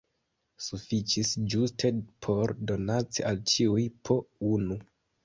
Sufiĉis ĝuste por donaci al ĉiuj po unu.